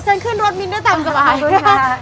ขอเชิญขึ้นรถมิ้นด้วยตามสมัครคุณค่ะ